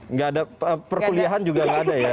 nggak ada perkuliahan juga nggak ada ya